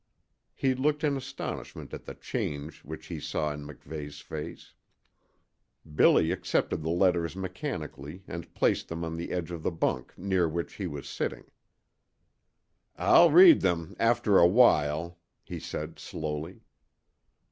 He looked in astonishment at the change which he saw in MacVeigh's face. Billy accepted the letters mechanically and placed them on the edge of the bunk near which he was sitting. "I'll read them after a while," he said, slowly.